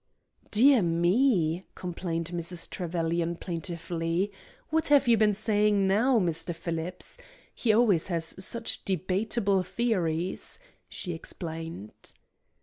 "Dear me," complained Mrs. Trevelyan, plaintively, "what have you been saying now, Mr. Phillips? He always has such debatable theories," she explained.